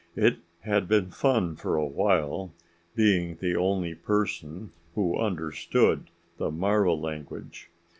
It had been fun for a while being the only person who understood the marva language.